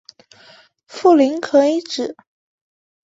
富临可以指